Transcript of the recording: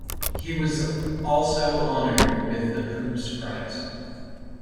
He was also honoured with the Hoopes prize.